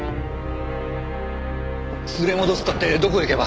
連れ戻すったってどこへ行けば？